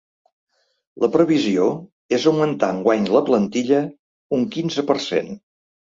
La previsió és augmentar enguany la plantilla un quinze per cent.